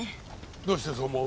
どうしてそう思う？